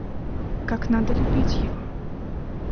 Как надо любить его?